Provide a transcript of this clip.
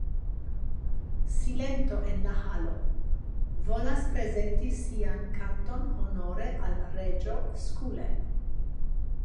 Silento en la Halo; volas prezenti sian kanton honore al reĝo Skule.